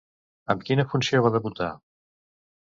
Amb quina funció va debutar?